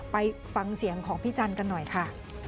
ไปฟังเสียงของพี่จันทร์กันหน่อยค่ะ